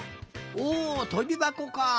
おとびばこかあ。